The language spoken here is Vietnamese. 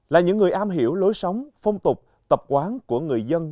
là những người am hiểu lối sống phong tục tập quán của người dân